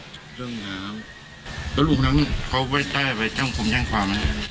แล้วลุงนั้นเขาไว้ใต้ไว้จ้างคงแย่งความไหม